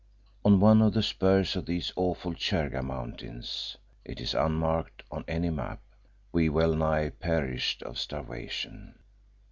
On one of the spurs of these awful Cherga mountains it is unmarked on any map we well nigh perished of starvation.